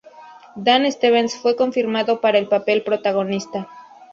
Dan Stevens fue confirmado para el papel protagonista.